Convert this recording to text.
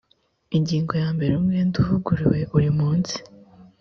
ingingo ya mbere umwenda uvuguruwe uri munsi